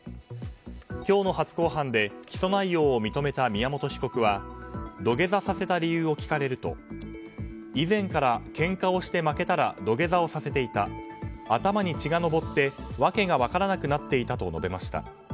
今日の初公判で起訴内容を認めた宮本被告は土下座させた理由を聞かれると以前から、けんかをして負けたら土下座をさせていた頭に血が上って訳が分からなくなっていたと述べました。